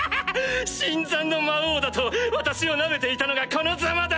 新参の魔王だと私をナメていたのがこのザマだ！